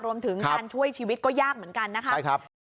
รวมถึงการช่วยชีวิตก็ยากเหมือนกันนะครับ